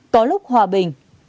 có lúc hòa bình